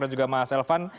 dan juga mas elvan